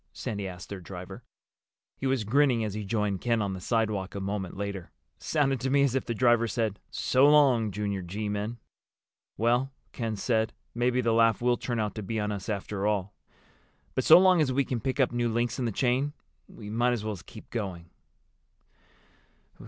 Sandy asked their driver. He was grinning as he joined Ken on the sidewalk a moment later. "Sounded to me as if the driver said, 'So long, Junior G men.'" "Well," Ken said, "maybe the laugh will turn out to be on us after all. But so long as we can pick up new links in the chain we might as well keep going."